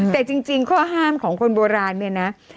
แต่จริงข้อห้ามของคนโบราณเนี่ยนะ